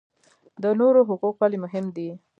د نورو حقوق ولې مهم دي؟